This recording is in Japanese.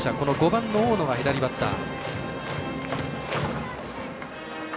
５番の大野が左バッター。